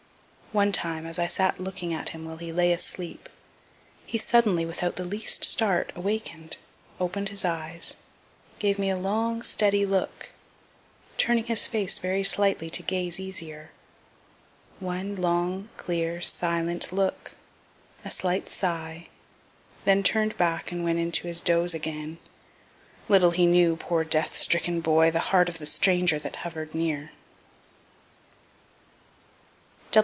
One time as I sat looking at him while he lay asleep, he suddenly, without the least start, awaken'd, open'd his eyes, gave me a long steady look, turning his face very slightly to gaze easier one long, clear, silent look a slight sigh then turn'd back and went into his doze again. Little he knew, poor death stricken boy, the heart of the stranger that hover'd near.